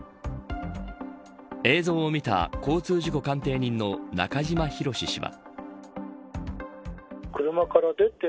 映像を見た、交通事故鑑定人の中島博史氏は。